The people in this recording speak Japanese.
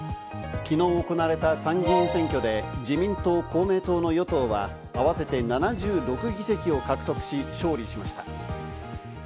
昨日行われた参議院選挙で自民党・公明党の与党は合わせて７６議席を獲得し、勝利しました。